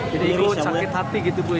jadi ibu sakit hati gitu bu ya